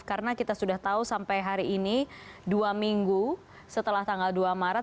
karena kita sudah tahu sampai hari ini dua minggu setelah tanggal dua maret